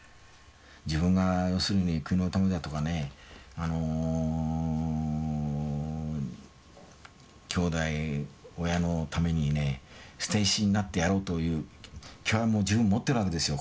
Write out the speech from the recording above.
自分が要するに国のためだとかねあの兄弟親のためにね捨て石になってやろうという気概を十分持ってるわけですよ。